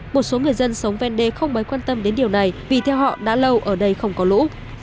một số người dân sống ven đê không mấy quan tâm đến điều này vì theo họ đã lâu ở đây không có lũ